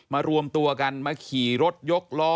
รวมตัวกันมาขี่รถยกล้อ